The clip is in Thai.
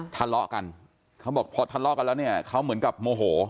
ทะเลาะกันเขาบอกพอทะเลาะกันแล้วเนี่ยเขาเหมือนกับโมโห